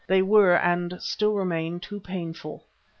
They were and still remain too painful.